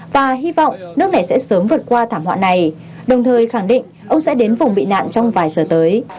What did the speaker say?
và hy vọng nước này sẽ sớm vượt qua thảm họa này đồng thời khẳng định ông sẽ đến vùng bị nạn trong vài giờ tới